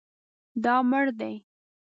دا مړ دی